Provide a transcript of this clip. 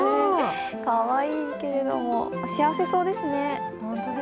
かわいいけれども、幸せそうですね。